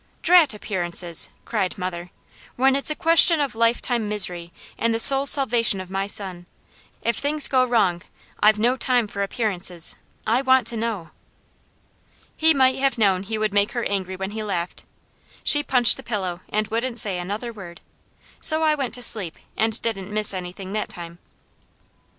"Drat appearances!" cried mother. "When it's a question of lifetime misery, and the soul's salvation of my son, if things go wrong, I've no time for appearances. I want to know!" He might have known he would make her angry when he laughed. She punched the pillow, and wouldn't say another word; so I went to sleep, and didn't miss anything that time.